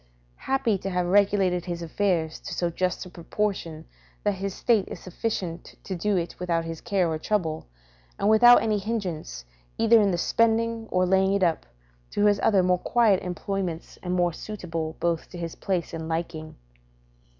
Happy to have regulated his affairs to so just a proportion that his estate is sufficient to do it without his care or trouble, and without any hindrance, either in the spending or laying it up, to his other more quiet employments, and more suitable both to his place and liking.